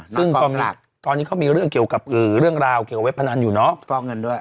ซึ่งตอนนี้เขามีเรื่องเกี่ยวกับหรือเรื่องราวเกี่ยวกับเว็บพนันอยู่เนาะ